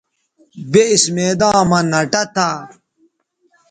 بے اِس میداں مہ نہ ٹہ تھا